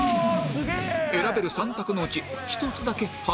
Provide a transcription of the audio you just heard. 選べる３択のうち１つだけハズレ